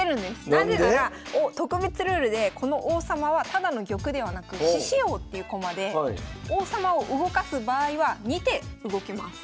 何で⁉なぜなら特別ルールでこの王様はただの玉ではなく獅子王っていう駒で王様を動かす場合は２手動きます。